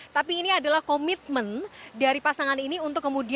tapi ini adalah komitmen dari pasangan ini untuk kemudian